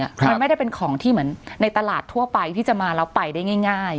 มันไม่ได้เป็นของที่เหมือนในตลาดทั่วไปที่จะมาแล้วไปได้ง่าย